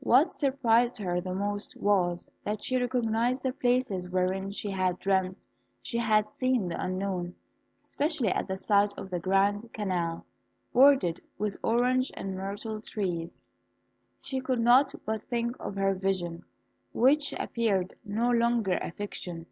What surprised her most was, that she recognised the places wherein she had dreamt she had seen the unknown. Especially at the sight of the grand canal, bordered with orange and myrtle trees, she could not but think of her vision, which appeared no longer a fiction.